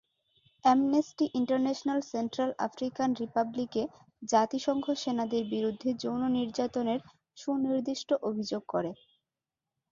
Amnesty International Central African রিপাবলিকে জাতিসংঘ সেনাদের বিরুদ্ধে যৌন নির্যাতনের সুনির্দিষ্ট অভিযোগ করে।